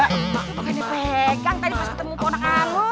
pegang tadi pas ketemu porno kamu